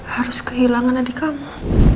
harus kehilangan adik kamu